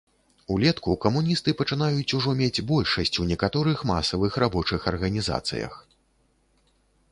Улетку камуністы пачынаюць ужо мець большасць у некаторых масавых рабочых арганізацыях.